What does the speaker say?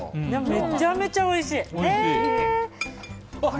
めちゃめちゃおいしい。